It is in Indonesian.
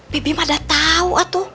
bibi udah tau